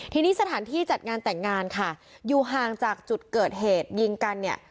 ทีนี้สถานที่จัดงานแต่งงานค่ะอยู่ห่างจากจุดเกิดเหตุยิงกันเนี่ย